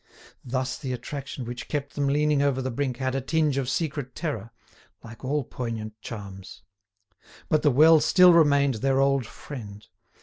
Thus the attraction which kept them leaning over the brink had a tinge of secret terror, like all poignant charms. But the well still remained their old friend.